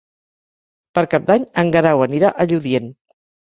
Per Cap d'Any en Guerau anirà a Lludient.